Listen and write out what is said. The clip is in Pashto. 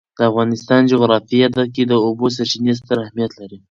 د افغانستان جغرافیه کې د اوبو سرچینې ستر اهمیت لري.